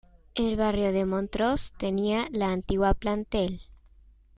El barrio de Montrose tenía la antigua plantel.